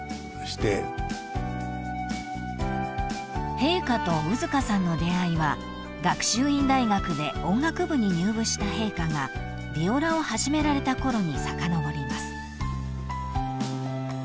［陛下と兎束さんの出会いは学習院大学で音楽部に入部した陛下がビオラを始められたころにさかのぼります］